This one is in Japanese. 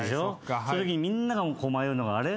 そのときにみんなが迷うのがあれ？